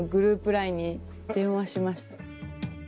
ＬＩＮＥに電話しました。